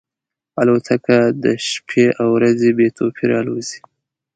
الوتکه د شپې او ورځې بې توپیره الوزي.